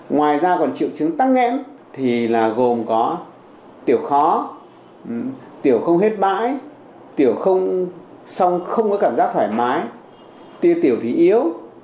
ngoài ra còn triệu chứng tăng nghẽm thì là gồm có tiểu khó tiểu không hết bãi tiểu không có cảm giác thoải mái tiêu tiểu thì yếu